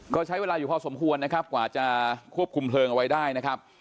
ก็ใช้เวลาอยู่พอสมควรนะครับกว่าจะควบคุมเพลิงเอาไว้ได้นะครับ